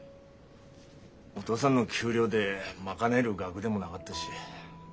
お父さんの給料で賄える額でもながったし。